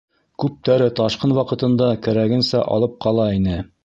Күптәре ташҡын ваҡытында кәрәгенсә алып ҡала ине.